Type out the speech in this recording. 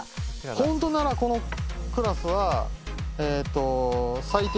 ホントならこのクラスは。